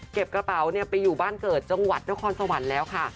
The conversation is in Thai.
กระเป๋าไปอยู่บ้านเกิดจังหวัดนครสวรรค์แล้วค่ะ